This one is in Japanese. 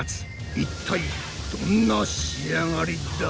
一体どんな仕上がりだ？